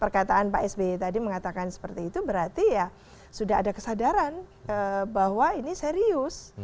perkataan pak sby tadi mengatakan seperti itu berarti ya sudah ada kesadaran bahwa ini serius